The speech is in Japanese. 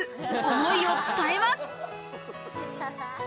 思いを伝えます